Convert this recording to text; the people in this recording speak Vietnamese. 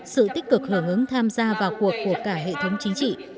sự tích cực hưởng ứng tham gia vào cuộc của cả hệ thống chính trị